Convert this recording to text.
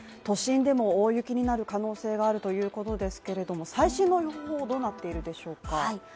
都心でも大雪になる可能性があるということですけれども最新の予報、どうなっているんでしょうか？